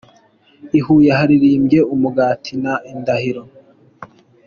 I Huye yaririmbye ’Umugati’ na ’Indahiro’.